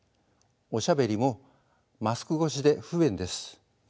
おしゃべりもマスク越しで不便です。